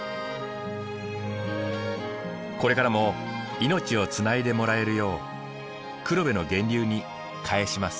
これからも命をつないでもらえるよう黒部の源流にかえします。